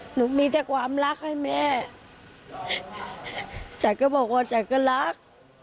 หนูมีแต่ความรักให้แม่จ๋าก็บอกว่าจ๋าก็รัก